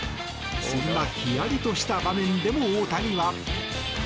そんな、ひやりとした場面でも大谷は。